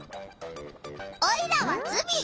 オイラはズビ！